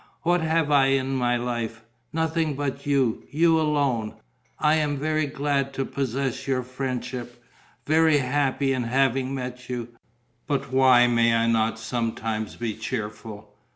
What have I in my life? Nothing but you, you alone. I am very glad to possess your friendship, very happy in having met you. But why may I not sometimes be cheerful?